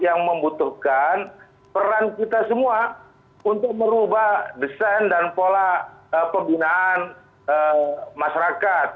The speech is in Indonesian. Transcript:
yang membutuhkan peran kita semua untuk merubah desain dan pola pembinaan masyarakat